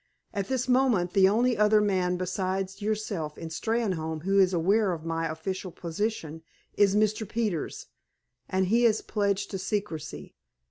At this moment the only other man beside yourself in Steynholme who is aware of my official position is Mr. Peters, and he is pledged to secrecy.